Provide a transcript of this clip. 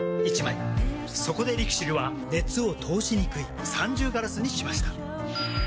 そこでＬＩＸＩＬは熱を通しにくい三重ガラスにしました。